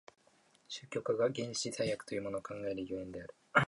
宗教家が原始罪悪というものを考える所以である。